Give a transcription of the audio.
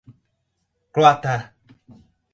Croatá